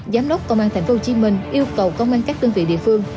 giám đốc công an thành phố hồ chí minh yêu cầu công an các tương vị địa phương